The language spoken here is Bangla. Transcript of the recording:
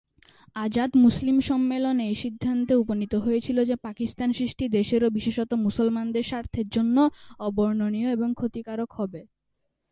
আজাদ মুসলিম সম্মেলন এই সিদ্ধান্তে উপনীত হয়েছিল যে পাকিস্তান সৃষ্টি "দেশের ও বিশেষত মুসলমানদের স্বার্থের জন্য অবর্ণনীয় এবং ক্ষতিকারক হবে।"